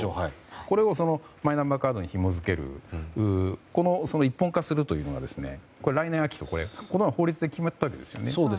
これを、マイナンバーカードにひも付ける一本化するというのは来年秋とこの前法律で決まったわけですよね。